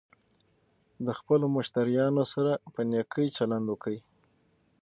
د خپلو مشتریانو سره په نېکۍ چلند وکړئ.